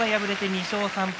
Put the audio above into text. ２勝３敗。